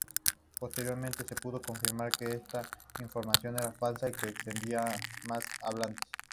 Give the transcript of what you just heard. Posteriormente se pudo confirmar que esta información era falsa y que existían más hablantes.